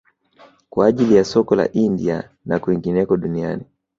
Kwa ajili ya soko la India na kwingineko duniani